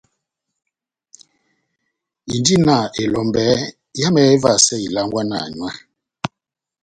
Indi na elombɛ yámɛ évahasɛ ilangwana nywɛ.